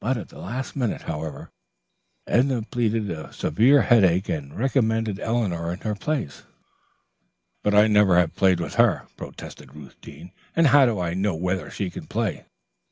At the last minute, however, Edna pleaded a severe headache and recommended Eleanor in her place. "But I never have played with her," protested Ruth Deane, "and how do I know whether she can play?"